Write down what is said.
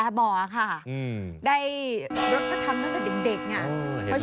ได้รัฐธรรมตั้งแต่เด็กค่ะ